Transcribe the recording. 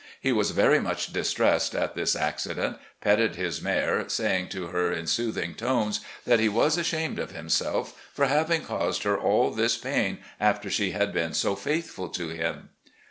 He was very much distressed at this accident, petted his mare, say ing to her in soothing tones that he was ashamed of him self for having caused her all this pain after she had been so faithftd to him.